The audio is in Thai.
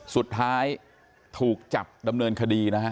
สุดท้ายถูกจับดำเนินคดีนะฮะ